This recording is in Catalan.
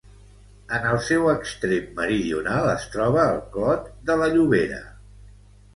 En el seu extrem meridional es troba el Clot de la Llobera.